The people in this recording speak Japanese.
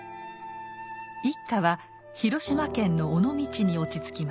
一家は広島県の尾道に落ち着きます。